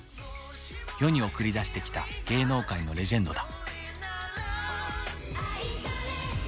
世に送り出してきた芸能界のレジェンドだ。